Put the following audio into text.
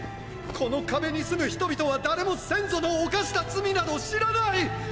この壁に住む人々は誰も先祖の犯した罪など知らない！！